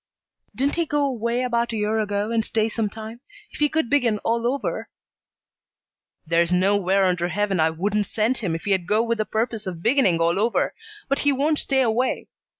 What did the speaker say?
"Didn't he go away about a year ago, and stay some time? If he could begin all over " "There's nowhere under heaven I wouldn't send him if he'd go with the purpose of beginning all over, but he won't stay away.